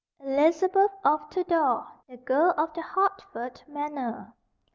ELIZABETH OF TUDOR: THE GIRL OF THE HERTFORD MANOR.